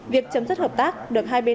việc chấm dứt hợp tác được hai bên